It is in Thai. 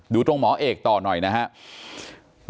ดูตรงหมอเอกต่อหน่อยนะครับ